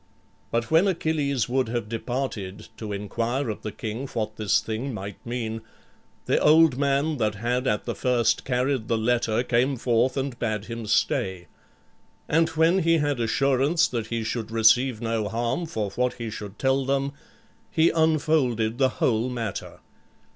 But when Achilles would have departed, to inquire of the king what this thing might mean, the old man that had at the first carried the letter came forth and bade him stay. And when he had assurance that he should receive no harm for what he should tell them, he unfolded the whole matter.